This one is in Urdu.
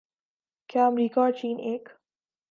کیا امریکہ اور چین ایک